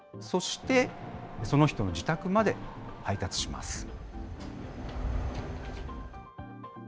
そして、その人の自宅まで配達します。